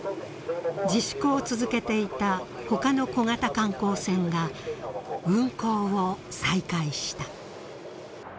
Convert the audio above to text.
自粛を続けていた他の小型観光船が運航を再開した。